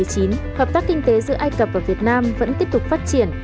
trong năm hai nghìn một mươi chín hợp tác kinh tế giữa ai cập và việt nam vẫn tiếp tục phát triển